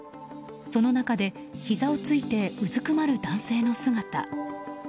その中で、ひざをついてうずくまる男性の姿。